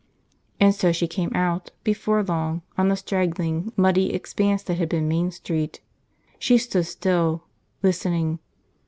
And so she came out, before long, on the straggling, muddy expanse that had been Main Street. She stood still, listening.